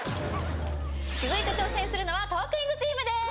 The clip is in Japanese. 続いて挑戦するのはトークィーンズチームでーす！